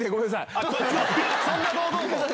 そんな堂々と⁉